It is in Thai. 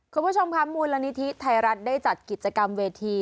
คุณผู้ชมค่ะมูลนิธิไทยรัฐได้จัดกิจกรรมเวที